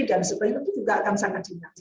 dan sebagainya itu juga akan sangat dinamis